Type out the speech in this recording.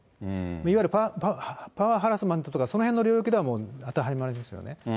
いわゆるパワーハラスメントとか、そのへんの領域では当てはまりますよね。